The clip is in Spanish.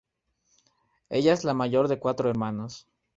Ella es la mayor de cuatro hermanos.